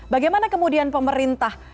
bagaimana kemudian pemerintah